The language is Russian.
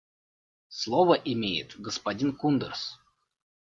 Слово имеет господин Кундерс.